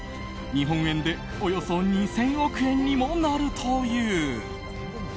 日本円でおよそ２０００億円にもなるという。